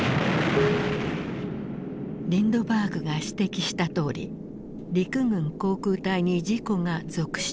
リンドバーグが指摘したとおり陸軍航空隊に事故が続出。